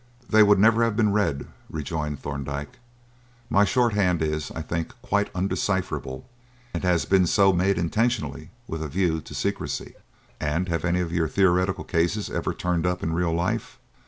"They would never have been read," rejoined Thorndyke. "My shorthand is, I think, quite undecipherable; it has been so made intentionally with a view to secrecy." "And have any of your theoretical cases ever turned up in real life?"